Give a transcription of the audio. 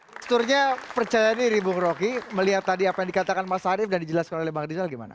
pasturnya percaya diri bung roky melihat tadi apa yang dikatakan mas arief dan dijelaskan oleh pak gendisal gimana